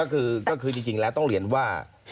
ก็คือจริงแล้วต้องเรียนว่า